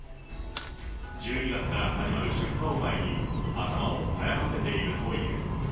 １２月から始まる出荷を前に、頭を悩ませているという。